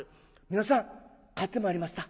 「皆さん帰ってまいりました。